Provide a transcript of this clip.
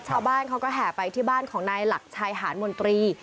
ชาวบ้านเขาก็แห่ไปที่บ้านของนายหลักชายหาดมนตรี